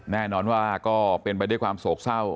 แน่นอนว่าก็เป็นไปด้วยความโศกเศร้า